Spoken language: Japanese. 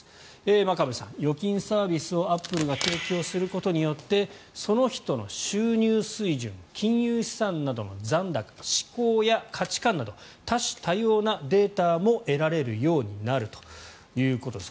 真壁さん、預金サービスをアップルが提供することによってその人の収入水準金融資産などの残高嗜好や価値観など多種多様なデータも得られるようになるということです。